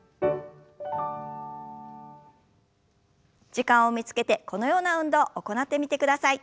時間を見つけてこのような運動を行ってみてください。